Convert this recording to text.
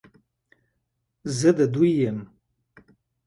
زه د دوی یم،